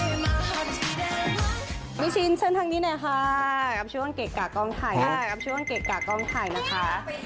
มิชชินเชิญทางนี้หน่อยค่ะกับช่วงเกะกะกล้องถ่ายนะคะ